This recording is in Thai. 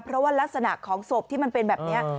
เพราะว่ารักษณะของศพที่มันเป็นแบบนี้